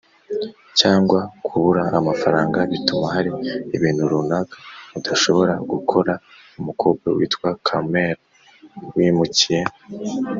Cyangwa kubura amafaranga bituma hari ibintu runaka udashobora gukora umukobwa witwa carmen wimukiye